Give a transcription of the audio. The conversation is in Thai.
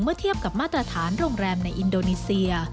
เทียบกับมาตรฐานโรงแรมในอินโดนีเซีย